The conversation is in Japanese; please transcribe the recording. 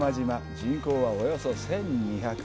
人口はおよそ１２００。